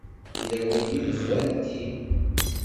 Tilawin-nni d xwalti.